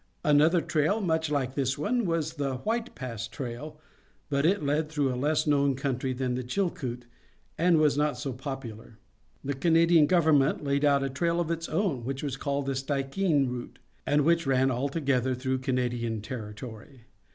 Another trail, much like this one, was the White Pass trail, but it led through a less known country than the Chilkoot, and was not so popular. The Canadian government laid out a trail of its own, which was called "the Stikeen route," and which ran altogether through Canadian territory.